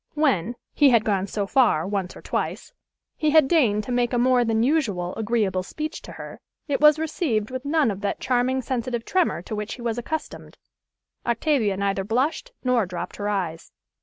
When he had gone so far, once or twice he had deigned to make a more than usually agreeable speech to her, it was received with none of that charming sensitive tremor to which he was accustomed. Octavia neither blushed, nor dropped her eyes.